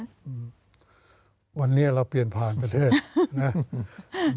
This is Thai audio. อืมวันนี้เราเปลี่ยนผ่านประเทศนะอืม